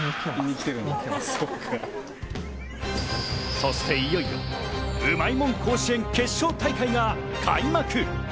そしていよいよ、うまいもん甲子園決勝大会が開幕。